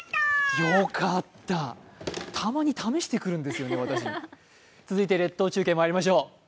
よかった、たまに試してくるんですよね、私を続いて列島中継にまいりましょう。